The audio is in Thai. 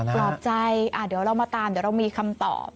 ปลอบใจเดี๋ยวเรามาตามเดี๋ยวเรามีคำตอบ